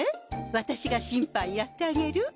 私が審判やってあげる。